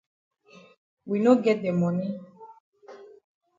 We no get de moni.